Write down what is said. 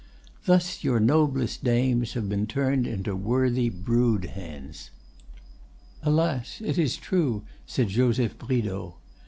Thus your noblest dames have been turned into worthy brood hens." "Alas! it is true," said Joseph Bridau.